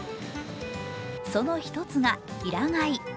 その１つが平飼い。